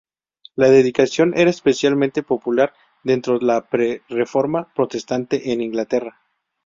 La dedicación era especialmente popular dentro de la pre-reforma protestante en Inglaterra.